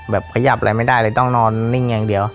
ขยับอะไรไม่ได้เลยต้องนอนนิ่งอย่างเดียว